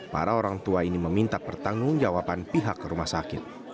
para orang tua ini meminta pertanggung jawaban pihak rumah sakit